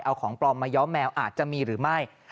เอาของปลอมมาย้อมแมวอาจจะมีหรือไม่